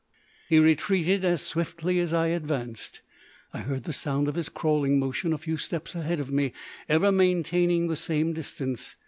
He retreated as swiftly as I advanced. I heard the sound of his crawling motion a few steps ahead of me, ever maintaining the same distance.